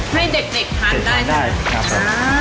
ให้เด็กทานได้